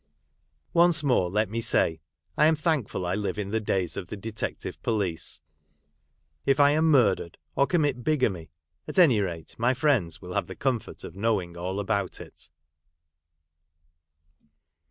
Once more, let me say, I am thankful I live in the days of the Detective Police ; if I am murdered, or commit bigamy, — at any rate my friends will have the comfort of knowing all about it.